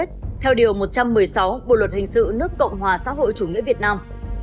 chính sách lại đoàn kết theo điều một trăm một mươi sáu bộ luật hình sự nước cộng hòa xã hội chủ nghĩa việt nam